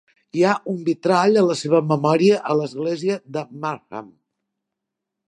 Hi ha un vitrall a la seva memòria a l'Església de Markham.